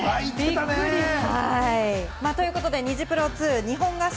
びっくり！ということで、ニジプロ２、日本合宿。